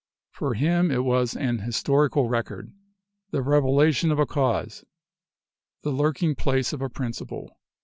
For him it was an historical record, the revelation of a cause, the lurking place of a principle."